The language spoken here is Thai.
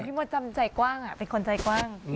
พี่มดจำใจกว้างอ่ะเพย์คนใจกว้าง